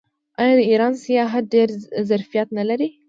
آیا د ایران سیاحت ډیر ظرفیت نلري؟